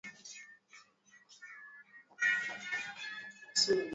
Wanyama wengi kwenye kundi wanaweza kuathiriwa